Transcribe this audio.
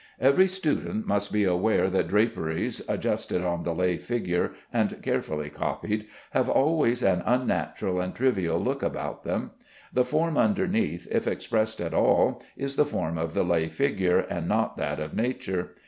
Every student must be aware that draperies adjusted on the lay figure and carefully copied, have always an unnatural and trivial look about them. The form underneath, if expressed at all, is the form of the lay figure, and not that of nature.